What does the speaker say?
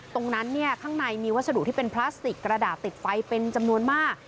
ตรงนั้นข้างในมีวัสดุที่เป็นพลาสติกกระดาษติดไฟเป็นจำนวนมาก